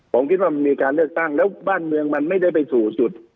ผมคิดว่ามันมีการเลือกตั้งแล้วบ้านเมืองมันไม่ได้ไปสู่จุด